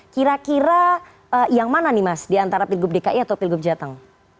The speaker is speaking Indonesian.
kira kira yang mana nih mas di antara pilgub dki atau pilgub jateng